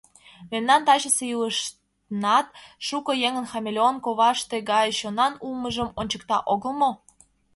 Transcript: Мемнан тачысе илышнат шуко еҥын хамелеон коваште гай чонан улмыжым ончыкта огыл мо?